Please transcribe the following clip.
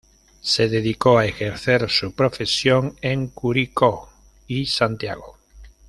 Se dedicó a ejercer su profesión en Curicó y Santiago.